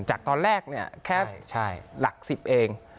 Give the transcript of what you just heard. จากตอนแรกแค่หลักสิบเอง